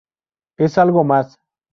Es algo más!